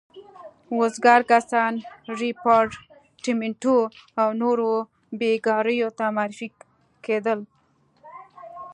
وزګار کسان ریپارټیمنټو او نورو بېګاریو ته معرفي کېدل.